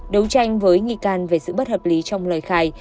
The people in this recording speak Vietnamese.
đấu tranh với nghi can về sự bất hợp lý trong lời khai